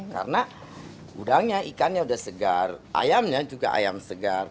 karena udangnya ikannya sudah segar ayamnya juga ayam segar